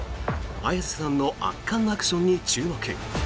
綾瀬さんの圧巻のアクションに注目！